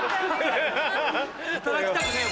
働きたくねえよ。